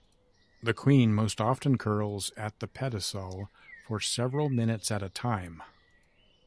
The queen most often curls at the pedicel for several minutes at a time.